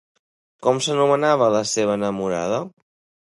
Com s'anomenava la seva enamorada?